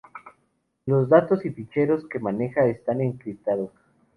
los datos y ficheros que maneja están encriptados